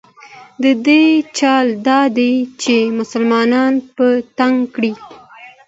د دوی چل دا دی چې مسلمانان په تنګ کړي.